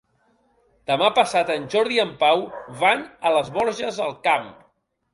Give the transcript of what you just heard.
Demà passat en Jordi i en Pau van a les Borges del Camp.